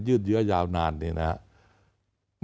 ยื่นเยอะยาวนานนี่นะครับ